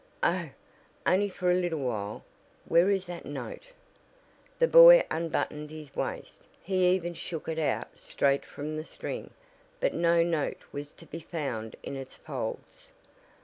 "Oh, only for a little while. Where is that note!" The boy unbuttoned his waist, he even shook it out straight from the string, but no note was to be found in its folds.